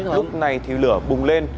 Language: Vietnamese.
lúc này thì lửa bùng lên